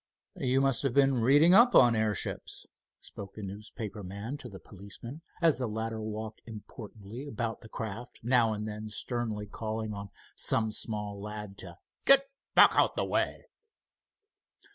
"You must have been reading up on airships," spoke the newspaper man to the policeman, as the latter walked importantly about the craft, now and then sternly calling on some small lad to "git back out th' way."